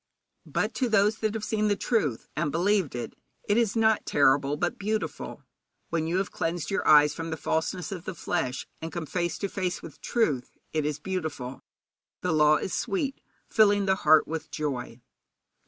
But to those that have seen the truth, and believed it, it is not terrible, but beautiful. When you have cleansed your eyes from the falseness of the flesh, and come face to face with truth, it is beautiful. 'The law is sweet, filling the heart with joy.'